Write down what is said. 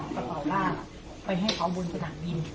แล้วเหลือเป้แล้วนับตาพี่ผู้หญิงแล้วน้องผู้ชายบอกว่าแล้ว